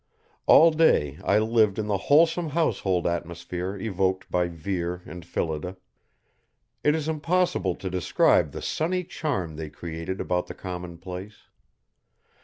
All day I lived in the wholesome household atmosphere evoked by Vere and Phillida. It is impossible to describe the sunny charm they created about the commonplace.